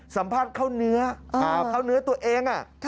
สัมภาษณ์เข้าเนื้อเข้าเนื้อตัวเอง